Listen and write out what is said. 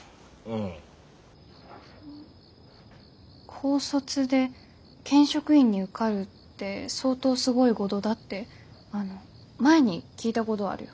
高卒で県職員に受かるって相当すごいごどだってあの前に聞いたごどあるよ。